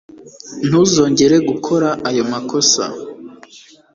ntuzongere gukora ayo makosa